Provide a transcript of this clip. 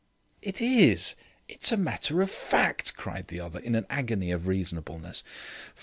"It is. It's a matter of fact," cried the other in an agony of reasonableness.